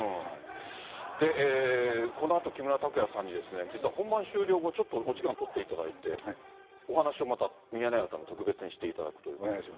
このあと木村拓哉さんに、実は本番終了後、ちょっとお時間取っていただいて、お話をまたミヤネ屋のために特別にしていただくという。